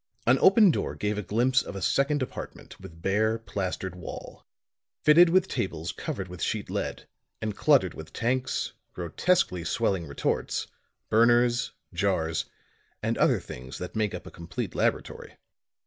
An open door gave a glimpse of a second apartment with bare, plastered wall, fitted with tables covered with sheet lead and cluttered with tanks, grotesquely swelling retorts, burners, jars and other things that make up a complete laboratory.